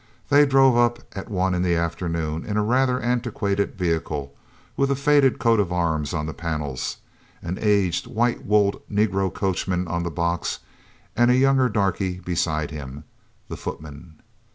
They drove up at one in the afternoon in a rather antiquated vehicle with a faded coat of arms on the panels, an aged white wooled negro coachman on the box and a younger darkey beside him the footman.